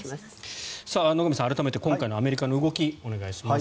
野上さん、改めて今回のアメリカの動きをお願いします。